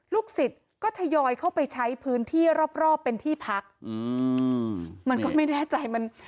ลูกศิษย์ก็ทยอยเข้าไปใช้พื้นที่รอบรอบเป็นที่พักอืมมันก็ไม่แน่ใจมัน